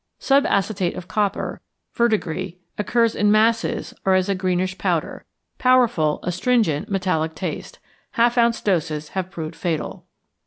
=Subacetate of Copper= (verdegris) occurs in masses, or as a greenish powder. Powerful, astringent, metallic taste. Half ounce doses have proved fatal.